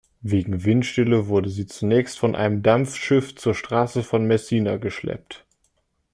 Wegen Windstille wurde sie zunächst von einem Dampfschiff zur Straße von Messina geschleppt.